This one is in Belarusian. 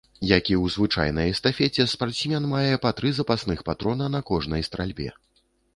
Як і ў звычайнай эстафеце спартсмен мае па тры запасных патрона на кожнай стральбе.